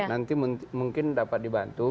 nanti mungkin dapat dibahas